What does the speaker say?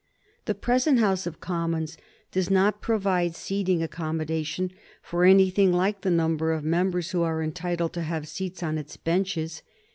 The present House of Commons does not provide sitting accommodation for anything like the number of members who are entitled to have seats on its benches.